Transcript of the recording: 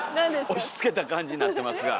押しつけた感じになってますが。